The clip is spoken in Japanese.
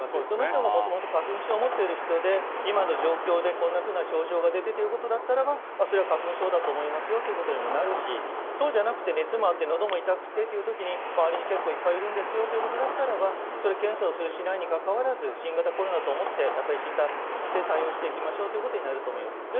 その人がもともと花粉症を持っている人で今の状況でこんなふうな症状が出てということならそれは花粉症だと思いますよとなりますしそうじゃなくて熱もあって喉も痛くてという時に周りに結構いっぱいいるんですよということならそれは検査をする、しないにかかわらず新型コロナだと思って診断して対応していきましょうということになると思います。